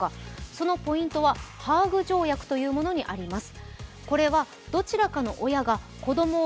そのポイントはハーグ条約というものにあります。